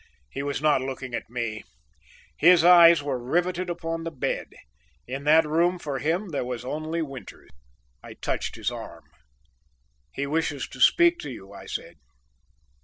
He was not looking at me; his eyes were rivetted upon the bed: in that room for him there was only Winters. I touched his arm. "He wishes to speak to you," I said.